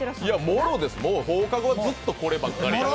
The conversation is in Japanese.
もろです、放課後はこればっかり。